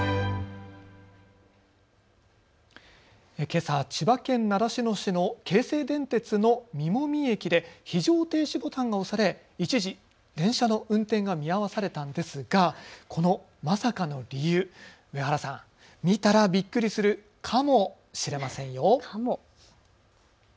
けさ千葉県習志野市の京成電鉄の実籾駅で非常停止ボタンが押され一時、電車の運転が見合わされたんですがこのまさかの理由、上原さん、見たらびっくりするカモしれませんよ。